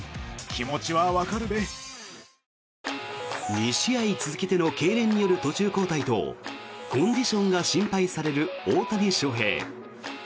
２試合続けてのけいれんによる途中交代とコンディションが心配される大谷翔平。